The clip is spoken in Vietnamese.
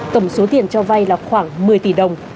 tổng số tiền cho vay là khoảng một mươi tỷ đồng